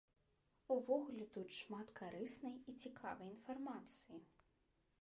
Увогуле тут шмат карыснай і цікавай інфармацыі.